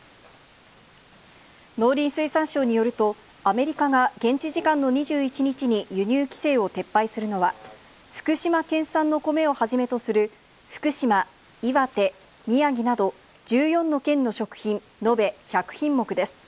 農林水産省によると、アメリカが現地時間の２１日に輸入規制を撤廃するのは、福島県産の米をはじめとする、福島、岩手、宮城など１４の県の食品、延べ１００品目です。